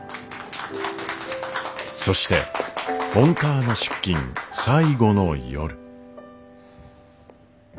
・そしてフォンターナ出勤最後の夜。